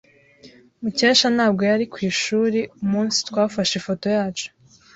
Mukesha ntabwo yari ku ishuri umunsi twafashe ifoto yacu.